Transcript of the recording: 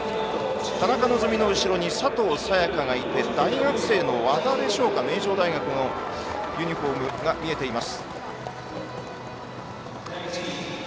田中希実の後ろに佐藤早也伽がいて和田でしょうか名城大学のユニフォームが見えています。